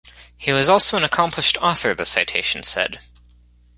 He was also an accomplished author, the citation said.